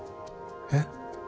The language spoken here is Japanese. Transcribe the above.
えっ？